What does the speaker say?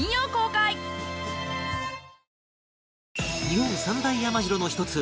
日本三大山城の一つ